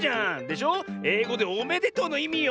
えいごで「おめでとう」のいみよ。